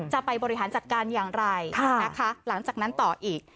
จะไปบริหารจัดการอย่างไรนะคะหลังจากนั้นต่ออีก